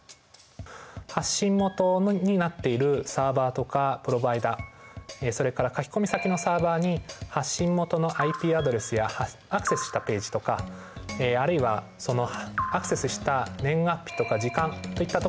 発信元になっているサーバとかプロバイダそれから書き込み先のサーバに発信元のＩＰアドレスやアクセスしたページとかあるいはそのアクセスした年月日とか時間といったところまで記録されます。